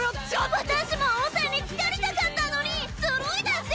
私も温泉につかりたかったのにズルいデスヨ